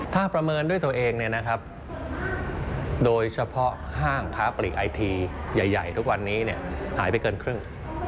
ถ้าประเมินด้วยตัวเองโดยเฉพาะห้างค้าปลีกไอทีใหญ่ทุกวันนี้หายไปเกินครึ่ง